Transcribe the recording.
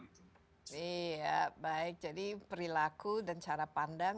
iya baik jadi perilaku dan cara pandang